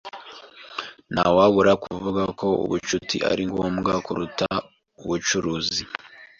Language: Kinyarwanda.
Ntawabura kuvuga ko ubucuti ari ngombwa kuruta ubucuruzi.